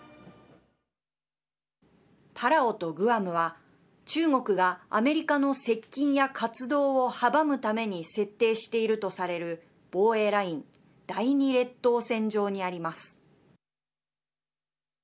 パラオとグアムは中国がアメリカの接近や活動を阻むために設定しているとされる防衛ライン第２列島線上にあります。